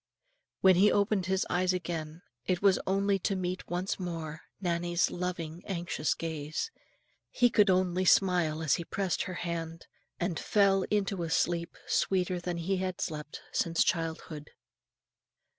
When he opened his eyes again, it was only to meet once more Nannie's loving anxious gaze; he could only smile as he pressed her hand, and fell into a sleep, sweeter than he had slept since childhood.